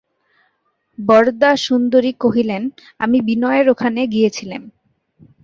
বরদাসুন্দরী কহিলেন, আমি বিনয়ের ওখানে গিয়েছিলেম।